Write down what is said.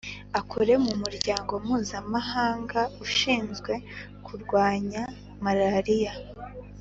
akore mu muryango mpuzamahanga ushinzwe kurwanya malariya